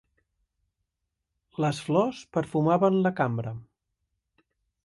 Les flors perfumaven la cambra.